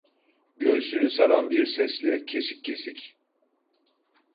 Göğsünü saran bir sesle kesik kesik: